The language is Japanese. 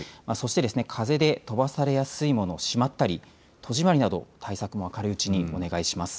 そして風で飛ばされやすいものをしまったり、戸締りなど対策も明るいうちにお願いします。